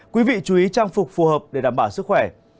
quý vị chú ý trang phục phù hợp để đảm bảo sức khỏe